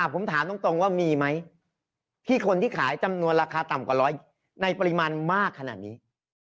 ผมถามตรงว่ามีไหมที่คนที่ขายจำนวนราคาต่ำกว่าร้อยในปริมาณมากขนาดนี้